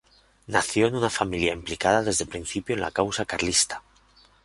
Nació en una familia implicada desde el principio en la causa carlista.